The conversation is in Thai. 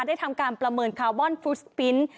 ทำการประเมินคาร์บอนฟุสปินส์